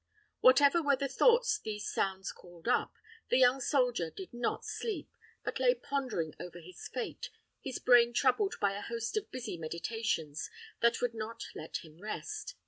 Whatever were the thoughts these sounds called up, the young soldier did not sleep, but lay pondering over his fate, his brain troubled by a host of busy meditations that would not let him rest.